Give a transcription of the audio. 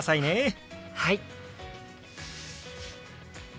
はい！